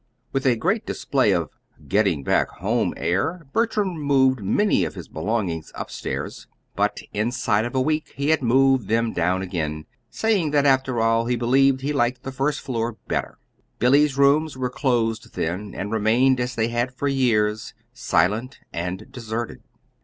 With a great display of a "getting back home" air, Bertram moved many of his belongings upstairs but inside of a week he had moved them down again, saying that, after all, he believed he liked the first floor better. Billy's rooms were closed then, and remained as they had for years silent and deserted.